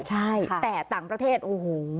ใช่แต่ต่างประเทศโอ้โห